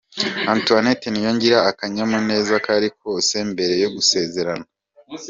Antoinette Niyongira akanyamuneza kari kose mbere yo gusezerana.